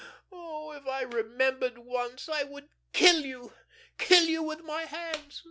Oh, if I remembered once, I would kill you, kill you with my hands!